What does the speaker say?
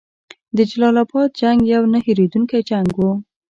د جلال اباد جنګ یو نه هیریدونکی جنګ وو.